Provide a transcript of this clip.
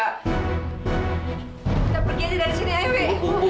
kita pergi aja dari sini ayo ibu